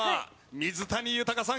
水谷さん！